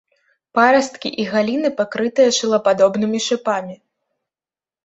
Парасткі і галіны пакрытыя шылападобнымі шыпамі.